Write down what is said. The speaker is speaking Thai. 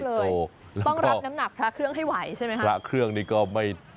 ต้องรับน้ำหนักพระเครื่องให้ไหวใช่ไหมครับ